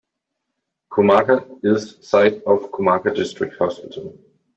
Kumaka is site of Kumaka District Hospital.